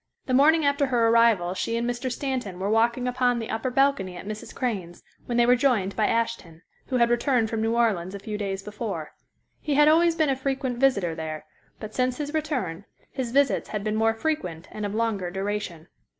The morning after her arrival she and Mr. Stanton were walking upon the upper balcony at Mrs. Crane's, when they were joined by Ashton, who had returned from New Orleans a few days before. He had always been a frequent visitor there, but since his return, his visits had been more frequent and of longer duration.